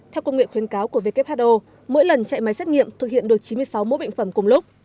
theo công nghệ khuyến cáo của who mỗi lần chạy máy xét nghiệm thực hiện được chín mươi sáu mỗi bệnh phẩm cùng lúc